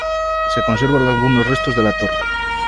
Se conservan algunos restos de la torre.